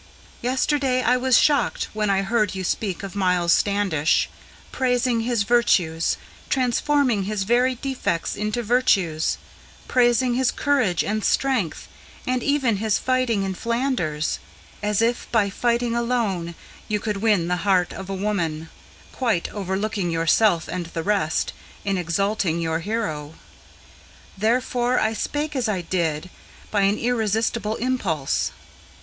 Yesterday I was shocked, when I heard you speak of Miles Standish, Praising his virtues, transforming his very defects into virtues, Praising his courage and strength, and even his fighting in Flanders, As if by fighting alone you could win the heart of a woman, Quite overlooking yourself and the rest, in exalting your hero. Therefore I spake as I did, by an irresistible impulse.